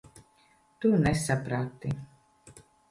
Tu nesaprati.